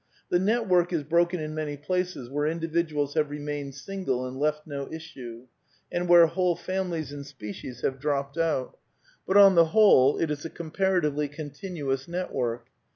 The net work is broken in many places where individuals have re mained single and left no issue, and where whole families and species have dropped out. But, on the whole, it is a comparatively continuous network.